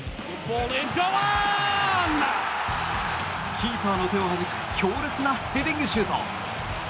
キーパーの手をはじく強烈なヘディングシュート！